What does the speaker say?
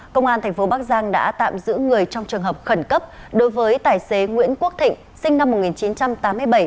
công an thành phố bắc giang đã tạm giữ người trong trường hợp khẩn cấp đối với tài xế nguyễn quốc thịnh sinh năm một nghìn chín trăm tám mươi bảy